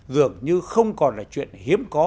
dường như không còn là chuyện hiếm có